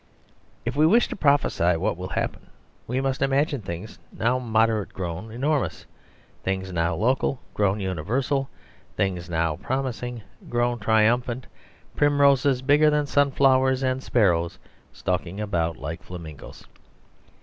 If we wish to prophesy what will happen, we must imagine things now moderate grown enormous; things now local grown universal; things now promising grown triumphant; primroses bigger than sunflowers, and sparrows stalking about like flamingoes.